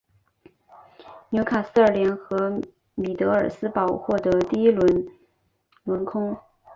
纽卡斯尔联和米德尔斯堡获得第一轮轮空。